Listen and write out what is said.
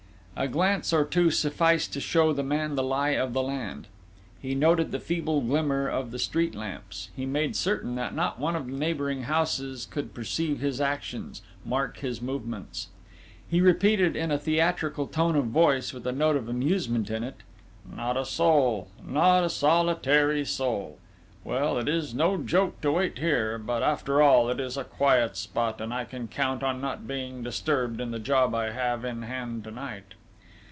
A glance or two sufficed to show the man the lie of the land. He noted the feeble glimmer of the street lamps; he made certain that not one of the neighbouring houses could perceive his actions, mark his movements. He repeated in a theatrical tone of voice with a note of amusement in it. "Not a soul! Not a solitary soul! Well, it is no joke to wait here; but, after all, it is a quiet spot, and I can count on not being disturbed in the job I have in hand to night...."